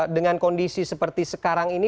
dengan kondisi seperti sekarang ini